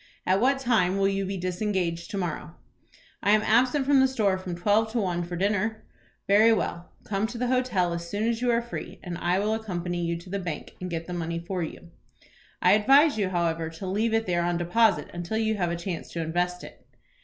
At what time will you be disengaged to morrow?" "I am absent from the store from twelve to one for dinner." "Very well, come to the hotel as soon as you are free, and I will accompany you to the bank, and get the money for you. I advise you, however, to leave it there on deposit until you have a chance to invest it."